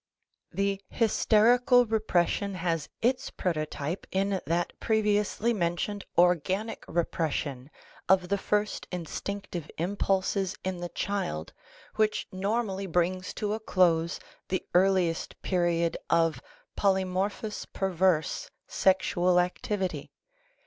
The hysterical repression has its prototype in that previously mentioned organic repression*^ of the first instinctive impulses in the child which normally brings to a close the earliest period of polymorphous perverse sexual activity.